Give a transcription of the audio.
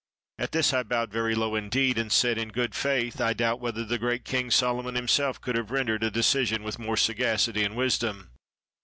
'" At this I bowed very low, indeed, and said: "In good faith I doubt whether the great King Solomon himself could have rendered a decision with more sagacity and wisdom."